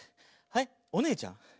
はいおねえちゃん？